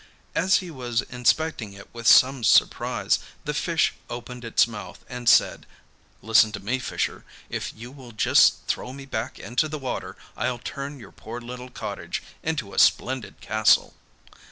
As he was inspecting it with some surprise, the fish opened its mouth and said: 'Listen to me, fisher; if you will just throw me back into the water I'll turn your poor little cottage into a splendid castle.